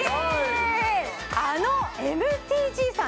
あのＭＴＧさん